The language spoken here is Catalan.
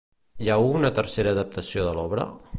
Hi ha una tercera adaptació de l'obra?